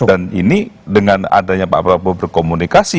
dan ini dengan adanya pak prabowo berkomunikasi